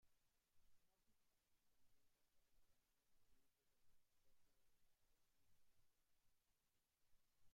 Novi Sad se encuentra a cerca de noventa minutos del Aeropuerto de Belgrado-Nikola Tesla.